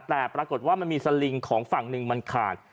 แต่ปรากฏว่ามันมีสลิงของฝั่งหนึ่งมันขาด